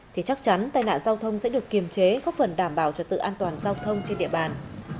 thì chắc chắn tai nạn giao thông sẽ được kiềm chế góp phần đảm bảo trật tự an toàn giao thông trên địa bàn